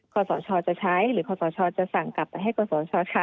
กษชจะใช้หรือกษชจะสั่งกลับให้กษชใช้